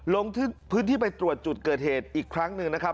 ลงพื้นที่ไปตรวจจุดเกิดเหตุอีกครั้งหนึ่งนะครับ